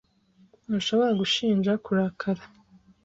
Ntushobora gushinja kurakara